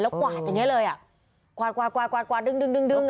แล้วกวาดอย่างนี้เลยควาดวิ่งดุ้ง